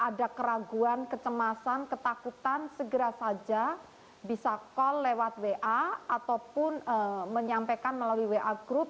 ada keraguan kecemasan ketakutan segera saja bisa call lewat wa ataupun menyampaikan melalui wa group